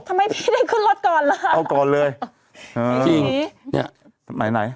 ทำไมพี่ได้ขึ้นรถก่อนล่ะเอาก่อนเลยเออจริงเนี้ยไหนไหน